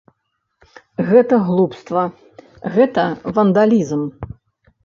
Гэта глупства, гэта вандалізм.